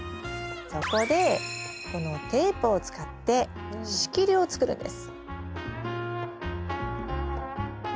そこでこのテープを使って仕切りをつくるんです。